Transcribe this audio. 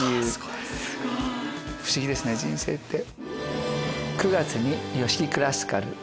不思議ですね人生って。